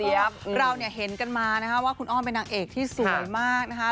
เราเนี่ยเห็นกันมานะคะว่าคุณอ้อมเป็นนางเอกที่สวยมากนะคะ